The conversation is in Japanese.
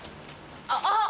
あっ！